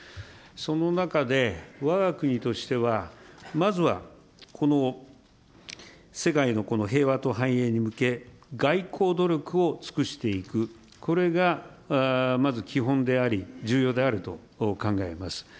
その中で、わが国としてはまずは、この、世界のこの平和と繁栄に向け、外交努力を尽くしていく、これがまず基本であり、重要であると考えます。